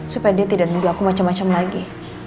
supaya dia tidak nunggu aku macem macem lagi